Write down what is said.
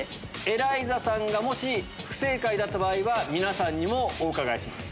エライザさんがもし不正解だった場合は皆さんにもお伺いします。